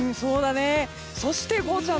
そして、ゴーちゃん。